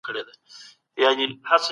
اقتصاد د هیواد په سیاسي ثبات اغیزه لري.